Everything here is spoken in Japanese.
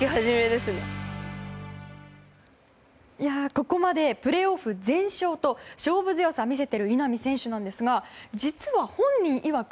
ここまでプレーオフ全勝と勝負強さを見せている稲見選手なんですが実は本人いわく